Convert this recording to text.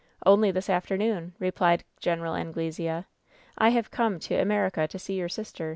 "Only this afternoon," replied Gten. Anglesea. "I have come to America to see your sister." 4 .